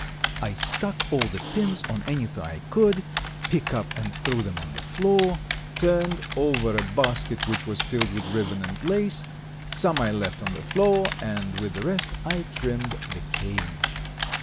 I stuck all the pins on anything I could pick up and threw them on the floor; turned over a basket which was filled with ribbon and lace; some I left on the floor, and with the rest I trimmed the cage.